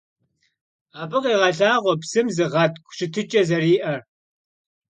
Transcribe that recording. Abı khêğelhağue psım zığetk'u şıtıç'e zeri'er.